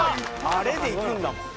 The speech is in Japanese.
あれでいくんだもん。